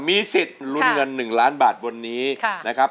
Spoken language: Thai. มีสิทธิ์ลุ้นเงิน๑ล้านบาทบนนี้นะครับ